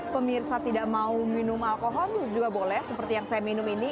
pemirsa tidak mau minum alkohol juga boleh seperti yang saya minum ini